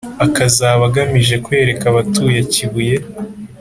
akazaba agamije kwereka abatuye kibuye